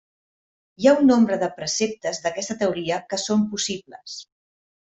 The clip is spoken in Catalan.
Hi ha un nombre de preceptes d'aquesta teoria que són possibles.